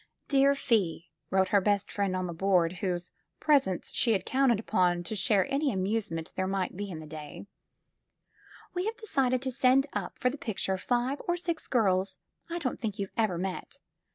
''Dear Fi/' wrote her best friend on the Board, whose presence she had counted upon to share any amusement 200 THE FILM OF FATE there might be in the day, ''tire have decided to send up far the picture five or six girls I don't think yov/ve ever met.